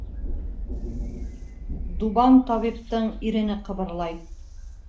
Дубан табиптың ирене ҡыбырлай: